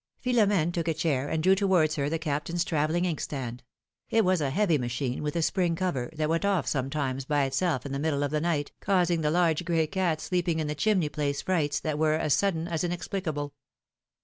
Philom^ne took a chair and drew towards her the Cap tain's travelling ink stand ; it was a heavy machine, with a sj)ring cover, that went off sometimes by itself in the middle of the night, causing the large gray cat sleeping in the chimney place, frights, that were as sudden as inexplic able.